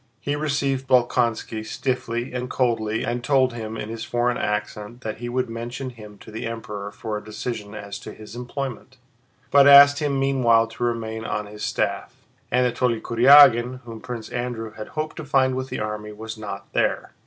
He received Bolkónski stiffly and coldly and told him in his foreign accent that he would mention him to the Emperor for a decision as to his employment, but asked him meanwhile to remain on his staff. Anatole Kurágin, whom Prince Andrew had hoped to find with the army, was not there.